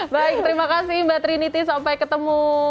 baik terima kasih mbak trinity sampai ketemu